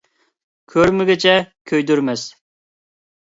كۆرمىگۈچە كۆيدۈرمەس.